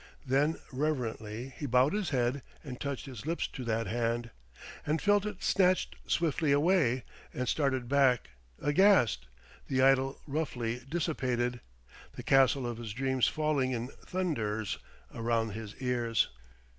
Then reverently he bowed his head and touched his lips to that hand ... and felt it snatched swiftly away, and started back, aghast, the idyll roughly dissipated, the castle of his dreams falling in thunders round his ears.